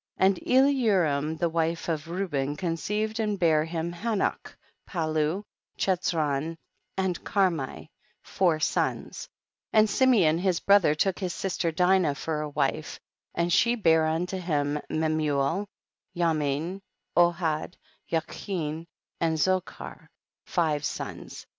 2. And Eliuram the wife of Reu ben conceived and bare him Hanoch, Palu, Chetzron and Carmi, four sons ; and Simeon his brother took his sister Dinah for a wife, and she bare unto him Memuel, Yamin, Ohad, Jachin and Zochar, five sons.